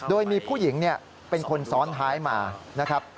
โดยมีผู้หญิงเป็นคนซ้อนท้ายมานะครับ